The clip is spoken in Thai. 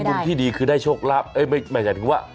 แต่บอกว่าในมุมที่ดีคือได้โชคลาภหมายถึงว่า